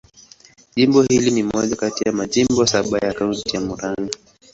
Jimbo hili ni moja kati ya majimbo saba ya Kaunti ya Murang'a.